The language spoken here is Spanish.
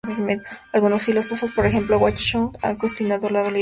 Algunos filósofos, por ejemplo Wang Chong han cuestionado la validez de esta teoría.